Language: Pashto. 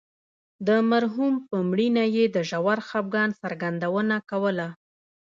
د مرحوم په مړینه یې د ژور خفګان څرګندونه کوله.